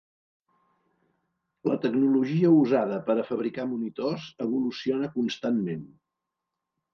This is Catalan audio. La tecnologia usada per a fabricar monitors evoluciona constantment.